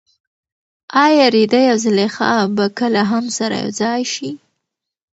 ایا رېدی او زلیخا به کله هم سره یوځای شي؟